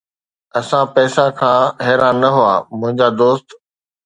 اسان پئسا کان حيران نه هئا، منهنجا دوست